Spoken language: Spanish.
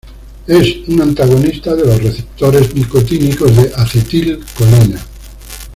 Es un antagonista de los receptores nicotínicos de acetilcolina.